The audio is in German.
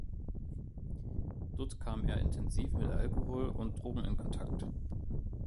Dort kam er intensiv mit Alkohol und Drogen in Kontakt.